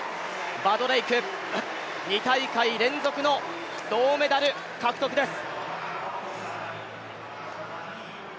バドレイク、２大会連続の銅メダル獲得です。